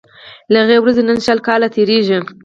له هغې ورځي نن شل کاله تیریږي